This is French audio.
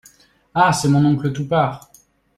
Ah ! c'est mon oncle Toupart !